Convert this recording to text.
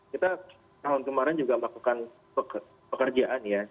kita tahun kemarin juga melakukan pekerjaan ya